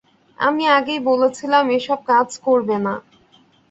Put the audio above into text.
আমি আগেই বলেছিলাম এসব কাজ করবে না!